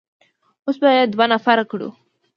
اوس به يې دوه نفره کړو.